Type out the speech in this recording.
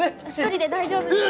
１人で大丈夫です。